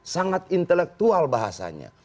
sangat intelektual bahasanya